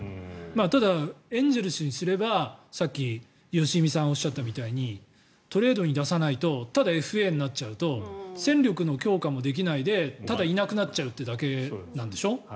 ただ、エンゼルスにすれば良純さんがおっしゃったようにトレードに出さないとただＦＡになっちゃうと戦力の強化もできないでただ、いなくなっちゃうだけなんでしょ。